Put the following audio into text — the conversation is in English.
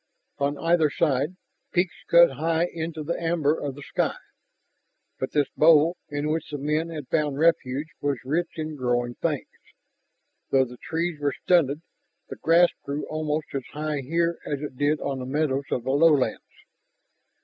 On either side, peaks cut high into the amber of the sky. But this bowl in which the men had found refuge was rich in growing things. Though the trees were stunted, the grass grew almost as high here as it did on the meadows of the lowlands.